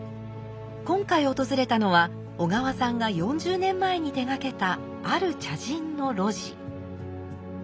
今回訪れたのは小河さんが４０年前に手がけたある茶人の露地。